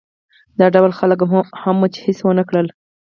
دا ډول خلک هم وو چې هېڅ ونه کړل.